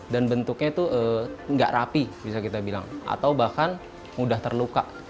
dan bentuknya itu nggak rapi bisa kita bilang atau bahkan mudah terluka